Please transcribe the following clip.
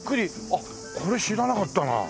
あっこれ知らなかったな。